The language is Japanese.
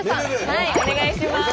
はいお願いします。